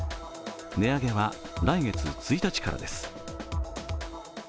値上げは来月１日からです。